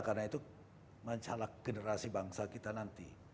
karena itu mencalak generasi bangsa kita nanti